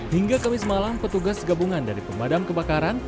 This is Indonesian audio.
hingga kamis malam petugas gabungan dari pemadam kebakaran